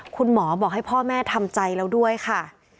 คุณหมอบอกให้พ่อแม่ทำใจแล้วด้วยค่ะ